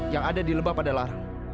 yang ada di lebak pada larang